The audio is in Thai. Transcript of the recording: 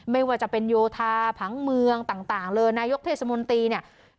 ไม่ว่าจะเป็นโยธาผังเมืองต่างเลยนายกเทศมนตรีเนี่ย